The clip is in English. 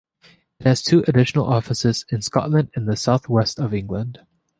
It has additional offices in Scotland and the South West of England.